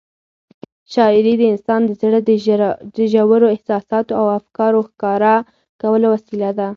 شاعري د انسان د زړه د ژورو احساساتو او افکارو ښکاره کولو وسیله ده.